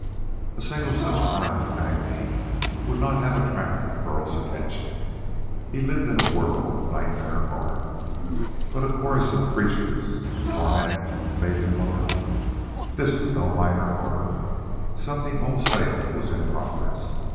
A single such cry of agony would not have attracted Burl's attention. He lived in a world of nightmare horror. But a chorus of creatures in torment made him look up. This was no minor horror. Something wholesale was in progress.